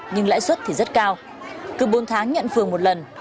nhưng lãi suất thì rất cao cứ bốn tháng nhận phường một lần